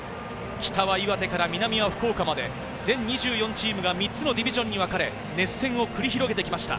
北は岩手から南は福岡まで、全２４チームが３つのディビジョンにわかれ、熱戦を繰り広げてきました。